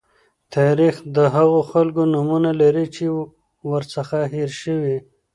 تاریخ د هغو خلکو نومونه لري چې ورڅخه هېر شوي.